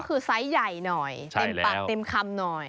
ก็คือไซส์ใหญ่หน่อยเต็มปากเต็มคำหน่อย